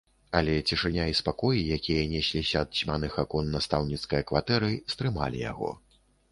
Але цішыня і спакой, якія несліся ад цьмяных акон настаўніцкае кватэры, стрымалі яго.